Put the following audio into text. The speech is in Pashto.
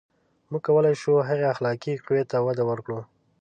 • موږ کولای شو، هغې اخلاقي قوې ته وده ورکړو.